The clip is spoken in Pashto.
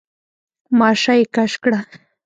ماشه يې کش کړه.